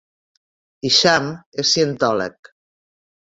Isham és cientòleg.